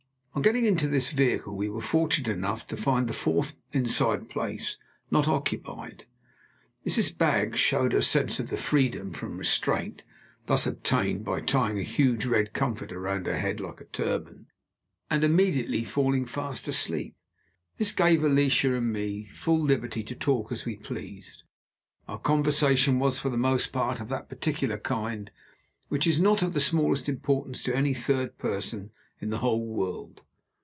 On getting into this vehicle we were fortunate enough to find the fourth inside place not occupied. Mrs. Baggs showed her sense of the freedom from restraint thus obtained by tying a huge red comforter round her head like a turban, and immediately falling fast asleep. This gave Alicia and me full liberty to talk as we pleased. Our conversation was for the most part of that particular kind which is not of the smallest importance to any third person in the whole world.